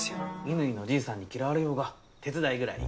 乾のじいさんに嫌われようが手伝いぐらい